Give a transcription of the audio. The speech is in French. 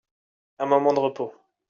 Un moment de repos.